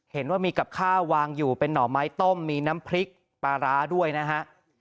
เห็นว่ามีกับข้าววางอยู่เป็นหน่อไม้ต้มมีน้ำพริกปลาร้าด้วยนะฮะ